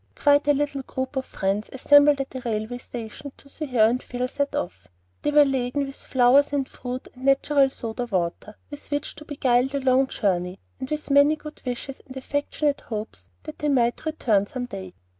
Quite a little group of friends assembled at the railway station to see her and Phil set off. They were laden with flowers and fruit and "natural soda water" with which to beguile the long journey, and with many good wishes and affectionate hopes that they might return some day.